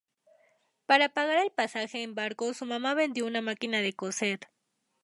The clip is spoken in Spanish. Para pagar el pasaje en barco su mamá vendió una máquina de coser.